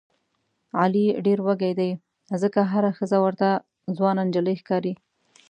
علي ډېر وږی دی ځکه هره ښځه ورته ځوانه نجیلۍ ښکاري.